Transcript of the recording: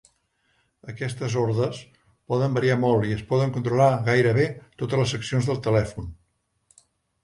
Aquestes ordes poden variar molt i es poden controlar gairebé totes les seccions del telèfon.